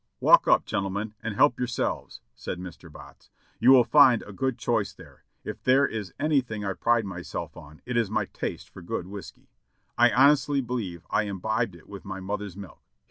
"Walk up, gentlemen, and help yourselves." said Mr. Botts. "You will find a good choice there ; if there is anything I pride myself on, it is my taste for good whiskey. I honestly believe I imbibed it with my mother's milk.